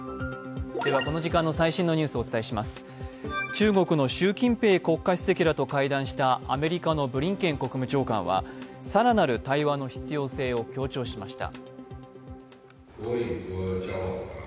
中国の習近平国家主席らと会談したアメリカのブリンケン国務長官は更なる対話の必要性を強調しました。